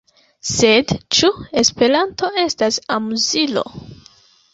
Sed, ĉu Esperanto estas amuzilo?